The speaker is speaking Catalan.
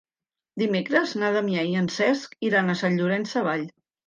Dimecres na Damià i en Cesc iran a Sant Llorenç Savall.